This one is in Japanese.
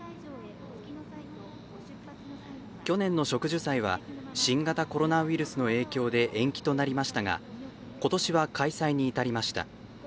去年の植樹祭は新型コロナウイルスの影響で延期となりましたが今年は、開催に至りました。